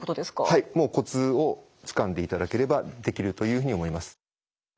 はいもうコツをつかんでいただければできるというふうに思います。